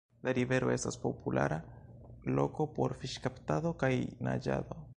La rivero estas populara loko por fiŝkaptado kaj naĝado.